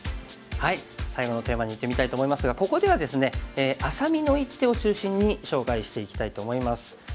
最後のテーマにいってみたいと思いますがここではですねあさみの一手を中心に紹介していきたいと思います。